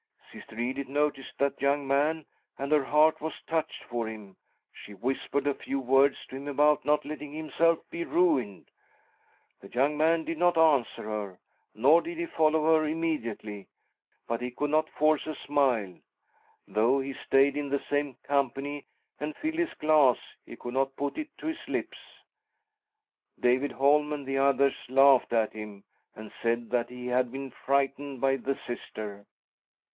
Sister Edith noticed that young man, and her heart was touched for him ; she whispered a few words to him about not letting himself be ruined. The young man did not answer her, nor did he follow her immediately — but he could not force a smile. Though he stayed in the same company, and filled his glass, he could not put it to his lips. David Holm and the others laughed' at him and said that he had been frightened by the Sister.